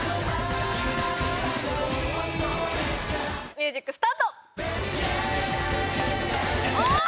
ミュージックスタート！